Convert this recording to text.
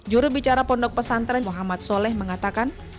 jurubicara pondok pesantren muhammad soleh mengatakan